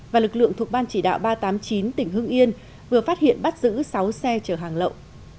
và lực lượng thuộc ban chỉ đạo ba trăm tám mươi chín tỉnh hưng yên vừa phát hiện bắt giữ sáu xe chở hàng lậu